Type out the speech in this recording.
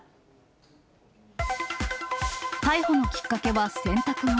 逮捕のきっかけは洗濯物。